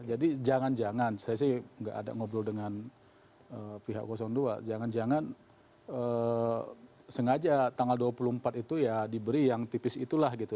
jadi jangan jangan saya sih nggak ada ngobrol dengan pihak dua jangan jangan sengaja tanggal dua puluh empat itu ya diberi yang tipis itulah gitu